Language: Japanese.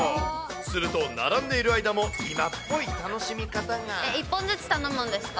すると、並んでいる間も、今っぽ１本ずつ頼むんですか。